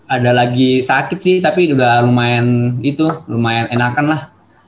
ada lagi sakit sih tapi udah lumayan itu lumayan enakan lah